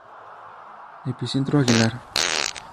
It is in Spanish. Epicentro Aguilar.